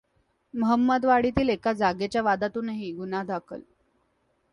महंमदवाडीतील एका जागेच्या वादातूनही गुन्हा दाखल.